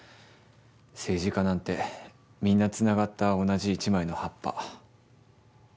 政治家なんてみんなつながった同じ１枚の葉っぱ。